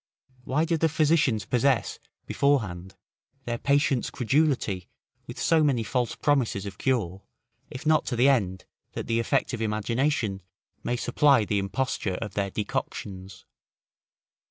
Why do the physicians possess, before hand, their patients' credulity with so many false promises of cure, if not to the end, that the effect of imagination may supply the imposture of their decoctions?